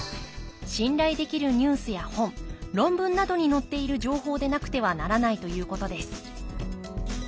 信頼できるニュースや本論文などに載っている情報でなくてはならないということです